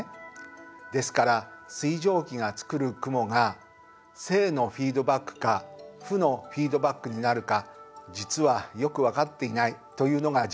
ですから水蒸気が作る雲が正のフィードバックか負のフィードバックになるか実はよく分かっていないというのが実情です。